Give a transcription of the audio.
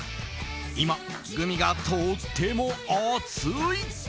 今、グミがとっても熱い！